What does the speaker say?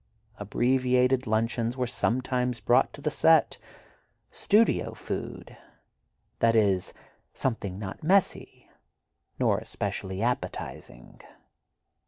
Abbreviated luncheons were sometimes brought to the set—"studio food"—that is, something not messy, nor especially appetizing.